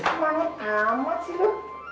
semangat amat sih lu